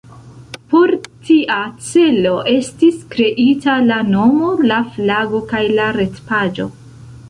Por tia celo estis kreita la nomo, la flago kaj la retpaĝo.